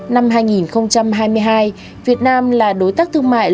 năm hai nghìn hai mươi hai việt nam là đối tác thương mại lớn thứ sáu